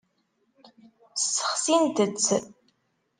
Ssexsint-tt.